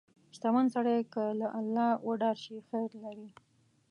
• شتمن سړی که له الله وډار شي، خیر لري.